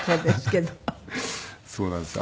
そうなんですよ。